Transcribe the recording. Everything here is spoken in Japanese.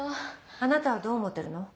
あなたはどう思ってるの？